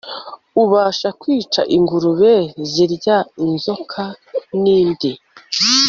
ubasha kwica ingurube zirya inzoka nindi